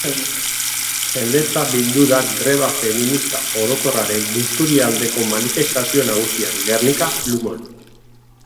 Jendetza bildu da Greba Feminista Orokorraren Busturialdeko manifestazio nagusian, Gernika-Lumon.